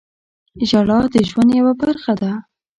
• ژړا د ژوند یوه برخه ده.